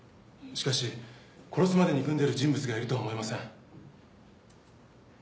しかし殺すまで憎んでいる人物がいるとは思えません。